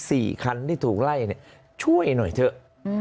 สี่คันที่ถูกไล่เนี่ยช่วยหน่อยเถอะ